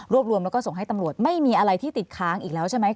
รวมแล้วก็ส่งให้ตำรวจไม่มีอะไรที่ติดค้างอีกแล้วใช่ไหม